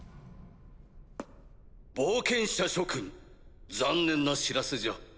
冒険者諸君残念な知らせじゃ。